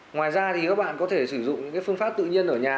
ngoài ra thì các bạn có thể sử dụng phương pháp tự nhiên ở nhà